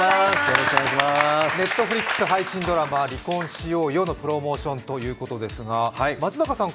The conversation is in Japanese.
Ｎｅｔｆｌｉｘ配信ドラマ「離婚しようよ」のプロモーションということですが松坂さん